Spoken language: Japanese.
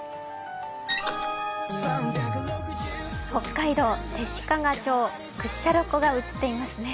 北海道弟子屈町屈斜路湖が映っていますね。